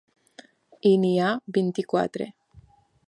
I n’hi ha vint-i-quatre.